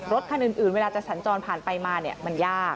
รถคันอื่นเวลาจะสัญจรผ่านไปมาเนี่ยมันยาก